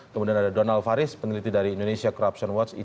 kemudian ada donald faris peneliti dari indonesia corruption watch